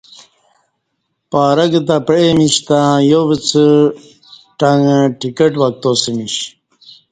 پارک تہ پیعی میش تہ یووڅہ ٹݣہ ٹکٹ وکتاسمیش